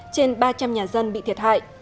trên ba trăm linh nhà dân bị thiệt hại